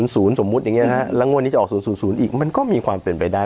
สมมุติอย่างนี้นะแล้วงวดนี้จะออก๐๐อีกมันก็มีความเป็นไปได้